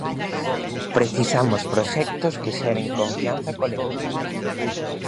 Precisamos proxectos que xeren confianza colectiva.